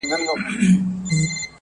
او د افغان له اصطلاح پرته